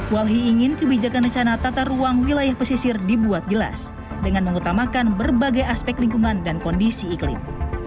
walhi ingin kebijakan rencana tata ruang wilayah pesisir dibuat jelas dengan mengutamakan berbagai aspek lingkungan dan kondisi iklim